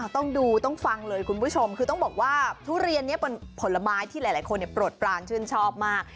ต้องดูต้องฟังเลยคุณผู้ชมคือต้องบอกว่าทุเรียนนี้เป็นผลไม้ที่หลายคนโปรดปลานชื่นชอบมาก